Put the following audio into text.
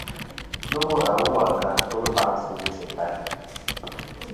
Nomɨ awu a ka kel baŋsɨ awu sɨ tayn.